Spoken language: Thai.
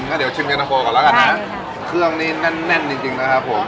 ก็เดี๋ยวชิมเจ๊พร้อมก่อนแล้วกันนะครับเครื่องนี้แน่นแน่นจริงจริงนะครับผม